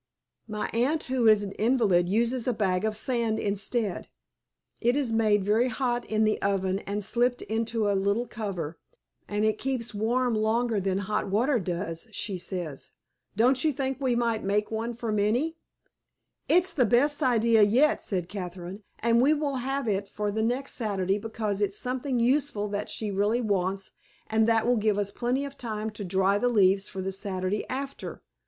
My aunt, who is an invalid, uses a bag of sand instead. It is made very hot in the oven and slipped into a little cover, and it keeps warm longer than hot water does, she says. Don't you think we might make one for Minnie?" "It's the best idea yet," said Catherine. "And we will have it for next Saturday because it's something useful that she really wants, and that will give us plenty of time to dry the leaves for the Saturday after."